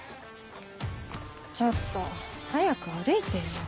ちょっと早く歩いてよ。